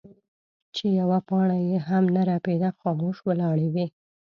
چې يوه پاڼه يې هم نۀ رپيده خاموش ولاړې وې ـ